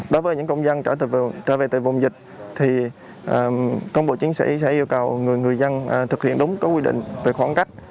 đối với những công dân trở về từ vùng dịch thì công bộ chiến sĩ sẽ yêu cầu người dân thực hiện đúng có quy định về khoảng cách